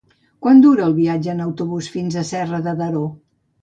Quant dura el viatge en autobús fins a Serra de Daró?